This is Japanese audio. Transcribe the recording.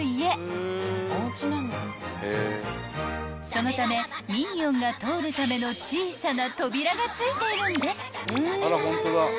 ［そのためミニオンが通るための小さな扉が付いているんです］